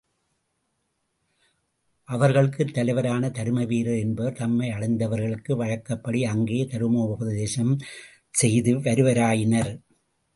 அவர்களுக்குத் தலைவரான தருமவீரர் என்பவர் தம்மை அடைந்தவர்களுக்கு வழக்கப்படி அங்கே தருமோபதேசம் செய்து வருவாராயினர்.